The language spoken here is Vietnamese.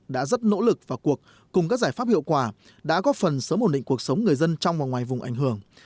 đã rất nỗ lực và cuộc cùng các giải pháp hiệu quả đã góp phần sớm ổn định cuộc sống người dân trong và ngoài vùng ảnh hưởng